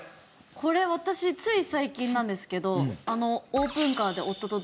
これ私つい最近なんですけどあら！